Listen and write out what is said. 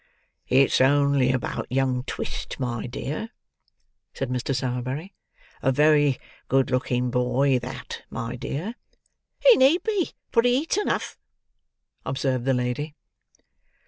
"It's only about young Twist, my dear," said Mr. Sowerberry. "A very good looking boy, that, my dear." "He need be, for he eats enough," observed the lady.